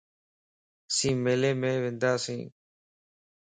اسين ميلي مَ ونداسين